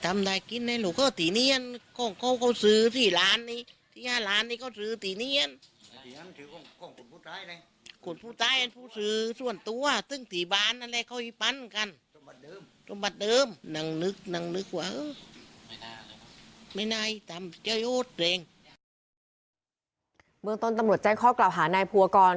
เมืองต้นตำรวจแจ้งข้อกล่าวหานายภูวกร